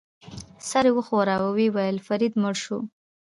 سر وښوراوه، ویې ویل: فرید مړ شو.